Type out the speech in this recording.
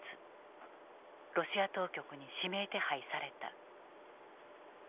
ロシア当局に指名手配された。